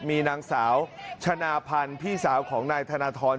มีนางสาวชนะพันธ์พี่สาวของนายธนทร